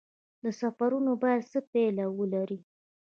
سفرونه باید څه پایله ولري؟